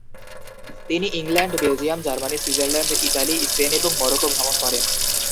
তিনি England, Belgium, Germany, Switzerland, Italy, Spain এবং Morocco ভ্রমণ করেন।